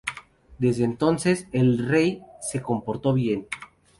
Desde entonces, el rey se comportó bien.